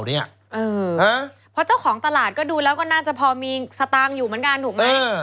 เพราะเจ้าของตลาดก็ดูแล้วก็น่าจะพอมีสตางค์อยู่เหมือนกันถูกไหม